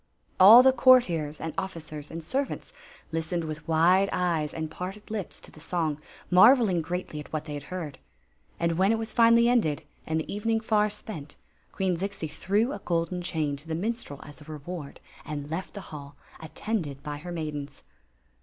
All the courtiers and officers and servants listened with wide eyes and parted lips to the song, marveling greatly at what they had heard. And when it was finally ended, and the evening far spent, Queen Zixi threw a golden chain to the minstrel as a reward and left the hall, attended by her maidens.